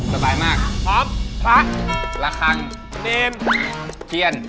สบายมากชอบพร้อมหลักฮังเร็มเที่ยน